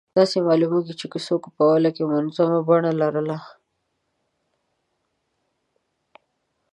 داسې معلومېږي چې کیسو په اوله کې منظومه بڼه لرله.